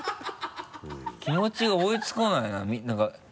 気持ちが追いつかないな。